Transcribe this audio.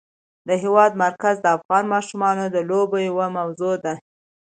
د هېواد مرکز د افغان ماشومانو د لوبو یوه موضوع ده.